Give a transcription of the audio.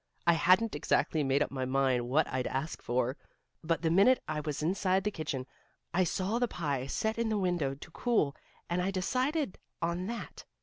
"I hadn't exactly made up my mind what I'd ask for, but the minute I was inside the kitchen, I saw the pie set in the window to cool and I decided on that.